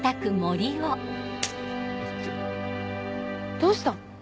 どうした？